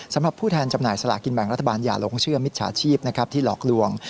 สำหรับผู้แทนจำหน่ายสลากินแบ่งรัฐบาลอย่าหลงเชื่อมิจฉาชีพนะครับที่หลอกลวง